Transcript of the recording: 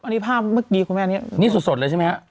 อันนี้ภาพเมื่อกี้คุณแม่นี้นี่สดเลยใช่ไหมฮะ